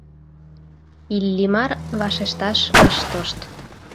Иллимар вашешташ ыш тошт.